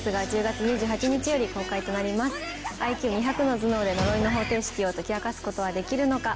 ＩＱ２００の頭脳で呪いの方程式を解き明かすことはできるのか？